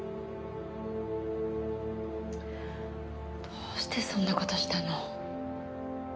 どうしてそんな事したの？